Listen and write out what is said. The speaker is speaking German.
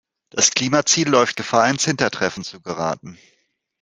Das Klimaziel läuft Gefahr, ins Hintertreffen zu geraten.